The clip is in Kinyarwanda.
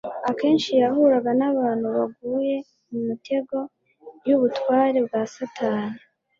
Akenshi yahuraga n'abantu baguye mu mitego y'ubutware bwa Satani,